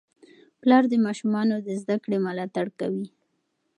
پلار د ماشومانو د زده کړې ملاتړ کوي.